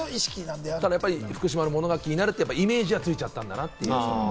でも福島のものは気になるというイメージはついちゃったんだなと。